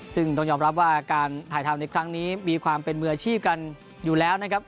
ซึ่งต้องยอมรับว่าการถ่ายทำในครั้งนี้มีความเป็นมืออาชีพกันอยู่แล้วนะครับ